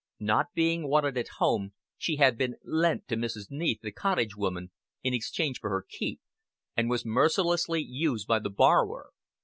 Not being wanted at home, she had been "lent" to Mrs. Neath, the cottage woman, in exchange for her keep, and was mercilessly used by the borrower.